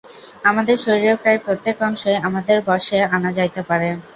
আমাদের শরীরের প্রায় প্রত্যেক অংশই আমাদের বশে আনা যাইতে পারে।